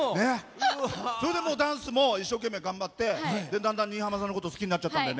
それでダンスも一生懸命、頑張ってだんだん、新浜さんのこと好きになっちゃったんだよね。